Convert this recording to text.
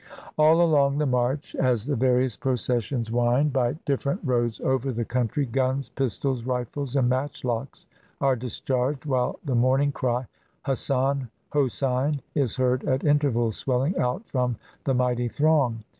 All along the march, as the various processions wind 214 THE FESTIVAL OF THE MOHURRIM by dilTerent roads over the country, guns, pistols, rifles, and matchlocks are discharged, while the mourning cry, "Hassan!" "Hosein!" is heard at intervals swelling out from the mighty throng.